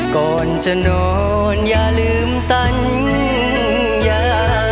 ก่อนจะนอนอย่าลืมสัญญา